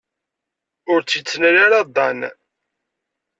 Ur tt-yettnal ara Dan.